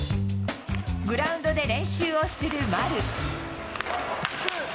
グラウンドで練習をする丸。